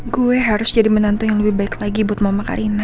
gue harus jadi menantu yang lebih baik lagi buat mama karina